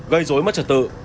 gây dối mất trật tự